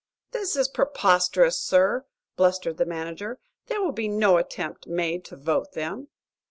"This is preposterous, sir!" blustered the manager. "There will be no attempt made to vote them."